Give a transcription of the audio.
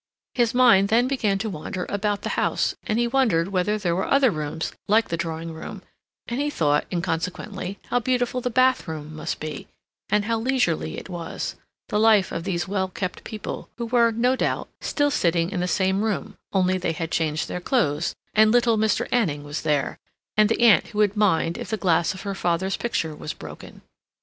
His mind then began to wander about the house, and he wondered whether there were other rooms like the drawing room, and he thought, inconsequently, how beautiful the bathroom must be, and how leisurely it was—the life of these well kept people, who were, no doubt, still sitting in the same room, only they had changed their clothes, and little Mr. Anning was there, and the aunt who would mind if the glass of her father's picture was broken.